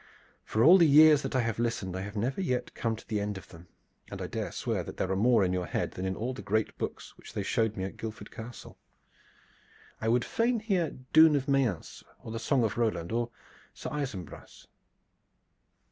For all the years that I have listened I have never yet come to the end of them, and I dare swear that there are more in your head than in all the great books which they showed me at Guildford Castle. I would fain hear 'Doon of Mayence,' or 'The Song of Roland,' or 'Sir Isumbras.'"